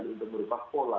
itu merupakan pola